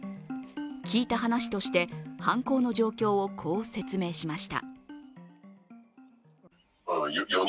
聞いた話として、犯行の状況をこう説明しました。